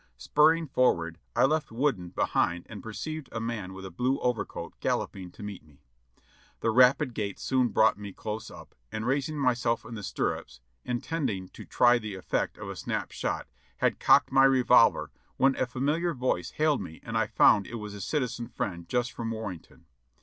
Spurring forward I left Wooden behind and perceived a man with a blue overcoat galloping to meet me. The rapid gait soon brought me close up, and raising myself A SCOUTING ADVIvNlURE 6/5 in the stirrups, intending to try the effect of a snap shot, had cocked my revolver, when a familiar voice hailed me and I found it was a citizen friend just from Warrenton.